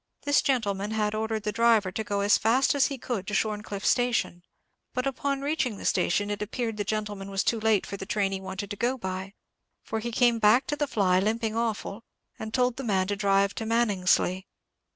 This gentleman had ordered the driver to go as fast as he could to Shorncliffe station; but on reaching the station, it appeared the gentleman was too late for the train he wanted to go by, for he came back to the fly, limping awful, and told the man to drive to Maningsly.